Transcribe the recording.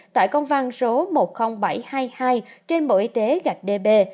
tại công văn số một mươi nghìn bảy trăm hai mươi hai trên bộ y tế gạt db